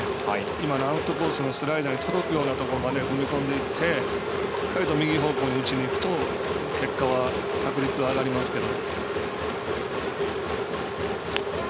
今のアウトコースのスライダーに届くようなところまで踏み込んでいってしっかりと右方向に打ちにいくと結果は、確率は上がりますけど。